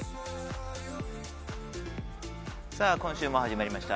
さぁ今週も始まりました。